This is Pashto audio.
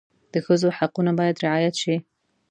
د ښځو حقونه باید رعایت شي.